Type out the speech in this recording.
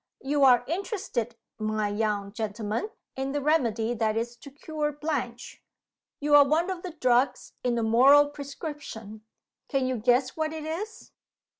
"You are interested, my young gentleman, in the remedy that is to cure Blanche. You are one of the drugs in the moral prescription. Can you guess what it is?"